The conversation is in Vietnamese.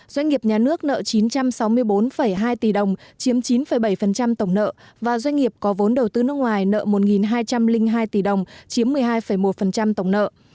doanh nghiệp nhà nước nợ chín trăm sáu mươi bốn hai tỷ đồng chiếm chín bảy tổng nợ và doanh nghiệp có vốn đầu tư nước ngoài nợ một hai trăm linh hai tỷ đồng chiếm một mươi hai một tổng nợ